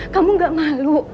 kamu gak malu